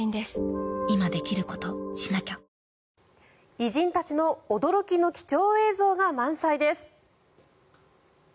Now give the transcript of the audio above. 偉人たちの驚きの貴重映像が満載です。